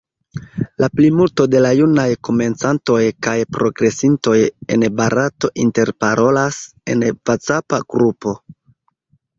La plimulto de la junaj komencantoj kaj progresintoj en Barato interparolas en vacapa grupo.